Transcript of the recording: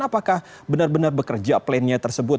apakah benar benar bekerja plannya tersebut